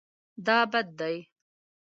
دا بد دی